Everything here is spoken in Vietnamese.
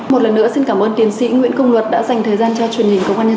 một lần nữa xin cảm ơn tiến sĩ nguyễn công luật đã dành thời gian cho truyền hình công an nhân dân